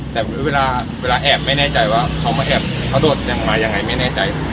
แต่ว่าเวลาอาบที่แอบไม่แน่ใจว่าเขามาแอบอย่างไรไม่แน่ใจ